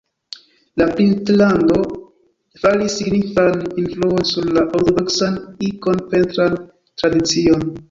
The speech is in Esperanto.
La princlando faris signifan influon sur la ortodoksan ikon-pentran tradicion.